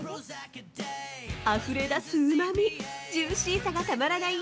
あふれ出すうまみジューシーさがたまらない